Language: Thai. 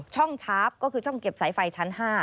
ชาร์ฟก็คือช่องเก็บสายไฟชั้น๕